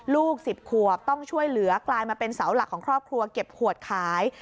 ลูก๑๐ขวบต้องช่วยเหลือกลายมาเป็นเสาหลักของครอบครัวเก็บขวดขาย